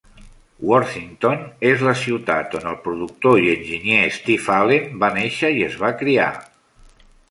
Worthington és la ciutat on el productor i enginyer Steve Allen va néixer i es va criar.